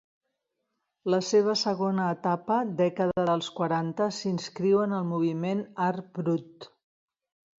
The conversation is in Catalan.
La seva segona etapa, dècada dels quaranta s'inscriu en el moviment Art brut.